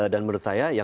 dan menurut saya